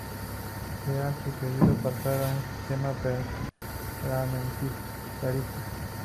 Se ha sugerido pasar a un sistema parlamentarista.